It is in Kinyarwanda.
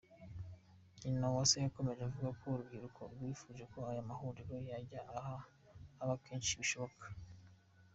Nyinawase yakomeje avuga ko urubyiruko rwifuje ko aya mahuriro yajya aba kenshi bishoboka.